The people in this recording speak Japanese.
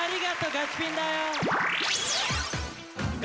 ガチュピンだよ。